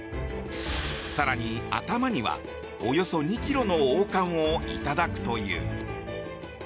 更に、頭にはおよそ２ｋｇの王冠をいただくという。